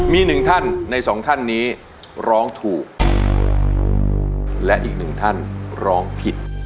มีหนึ่งท่านในสองท่านนี้ร้องถูกและอีกหนึ่งท่านร้องผิด